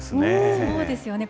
そうですよね。